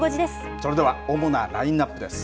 それでは主なラインアップです。